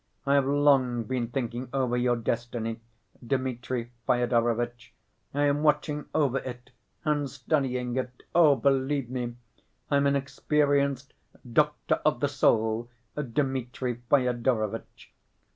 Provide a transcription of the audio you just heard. I have long been thinking over your destiny, Dmitri Fyodorovitch, I am watching over it and studying it.... Oh, believe me, I'm an experienced doctor of the soul, Dmitri Fyodorovitch."